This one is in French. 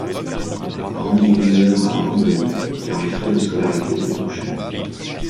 Randy Weaver a abandonné, car les frais de scolarité était trop cher.